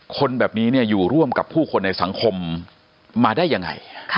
คนแบบนี้อยู่ร่วมกับผู้คนในสังคมมาได้ยังไง